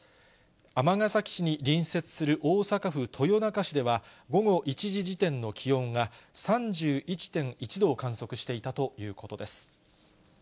尼崎市に隣接する大阪府豊中市では、午後１時時点の気温が３１．１度を観測していたということです。